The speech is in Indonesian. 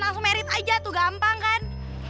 langsung merit aja tuh gampang kan